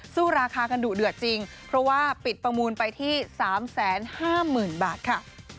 สู้ราคากันดุเดือดจริงเพราะว่าปิดประมูลไปที่๓๕๐๐๐บาทค่ะ